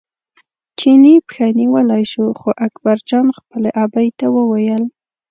چیني پښه نیولی شو خو اکبرجان خپلې ابۍ ته وویل.